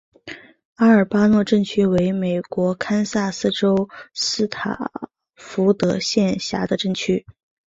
阿尔巴诺镇区为美国堪萨斯州斯塔福德县辖下的镇区。